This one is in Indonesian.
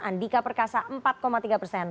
andika perkasa empat tiga persen